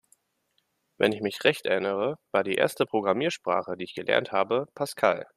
Wenn ich mich recht erinnere, war die erste Programmiersprache, die ich gelernt habe, Pascal.